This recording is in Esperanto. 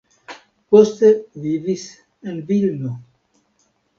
Poste vivis en Vilno.